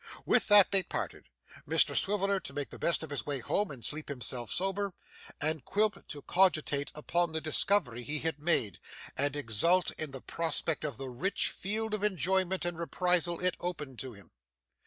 With that they parted; Mr Swiveller to make the best of his way home and sleep himself sober; and Quilp to cogitate upon the discovery he had made, and exult in the prospect of the rich field of enjoyment and reprisal it opened to him.